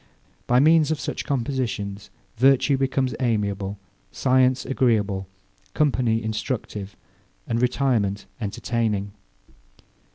By means of such compositions, virtue becomes amiable, science agreeable, company instructive, and retirement entertaining.